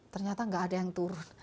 ternyata nggak ada yang turun